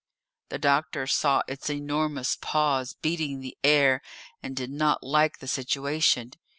The doctor saw its enormous paws beating the air, and did not like the situation.